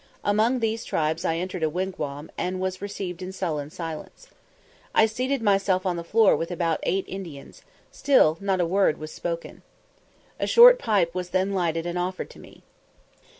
Among these tribes I entered a wigwam, and was received in sullen silence. I seated myself on the floor with about eight Indians; still not a word was spoken. A short pipe was then lighted and offered to me.